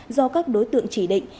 do các đối tượng chỉ định